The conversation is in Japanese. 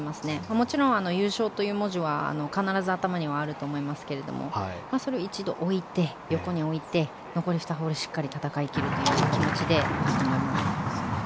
もちろん優勝という文字は必ず頭にはあると思いますがそれを一度、横に置いて残り２ホールしっかり戦い切るという気持ちでいると思います。